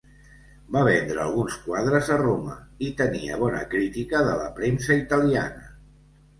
Va vendre alguns quadres a Roma, i tenia bona crítica de la premsa italiana.